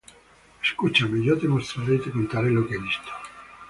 Escúchame; yo te mostraré Y te contaré lo que he visto: